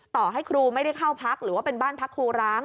ต่อให้ครูไม่ได้เข้าพักหรือว่าเป็นบ้านพักครูร้าง